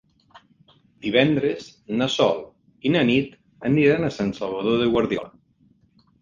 Divendres na Sol i na Nit aniran a Sant Salvador de Guardiola.